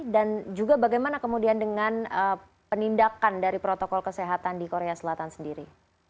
dan juga bagaimana kemudian dengan penindakan dari protokol kesehatan di korea selatan sendiri